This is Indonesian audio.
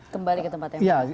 kembali ke tempat yang lain